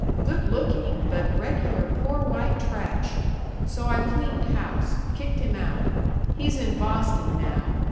Good looking, but regular poor white trash. So I cleaned house kicked him out. He's in Boston now.